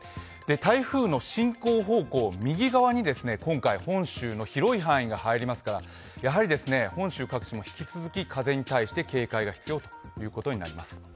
台風の進行方向右側に今回本州の広い範囲が入りますからやはり本州各地も引き続き風に対して警戒が必要ということになります。